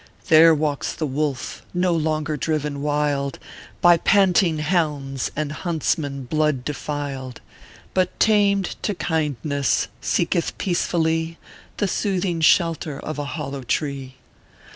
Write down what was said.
" There walks the wolf, no longer driven wild By panting hounds and huntsman blood defiled ; But tamed to kindness, seeketh peacefully The soothing shelter of a hollow tree.